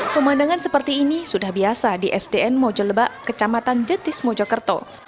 pemandangan seperti ini sudah biasa di sdn mojelebak kecamatan jetis mojokerto